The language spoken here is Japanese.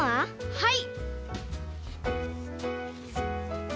はい！